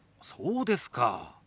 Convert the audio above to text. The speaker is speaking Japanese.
そうですか。